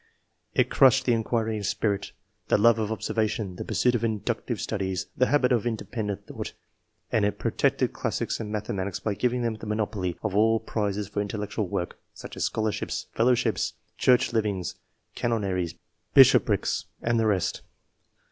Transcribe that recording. It crushed the inquiring spirit, the love of observation, the pursuit of inductive studies, the habit of independent thought, and it protected classics and mathe matics by giving them the monopoly of all prizes for intellectual work, such as scholarships, fellowships, church livings, canonries, bishoprics, and the rest.